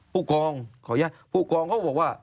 ผู้กองเขาบอกว่า